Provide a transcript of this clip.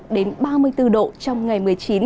ba mươi một ba mươi bốn độ trong ngày một mươi chín